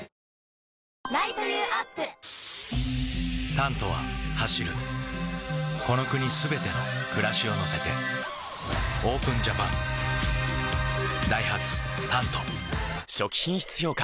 「タント」は走るこの国すべての暮らしを乗せてＯＰＥＮＪＡＰＡＮダイハツ「タント」初期品質評価